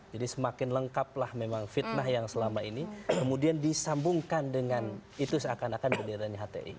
jadi semakin lengkaplah memang fitnah yang selama ini kemudian disambungkan dengan itu seakan akan bendera hti